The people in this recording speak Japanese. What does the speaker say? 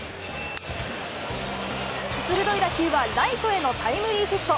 鋭い打球はライトへのタイムリーヒット。